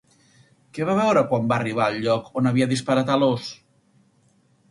Què va veure quan va arribar al lloc on havia disparat a l'ós?